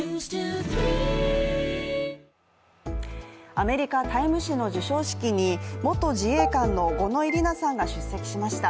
アメリカ・「タイム」誌の授賞式に元自衛官の五ノ井里奈さんが出席しました。